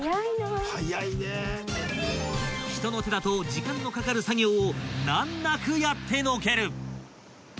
［人の手だと時間のかかる作業を難なくやってのける］